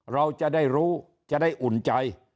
เราจะได้รู้จะได้อุ่นใจ